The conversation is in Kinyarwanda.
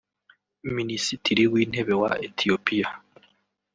Minisitiri w’intebe wa Ethiopia